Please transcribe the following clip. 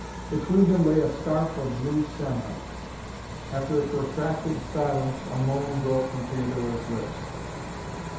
Between them lay a scarf of blue samite. After a protracted silence a moan broke from Theodora's lips.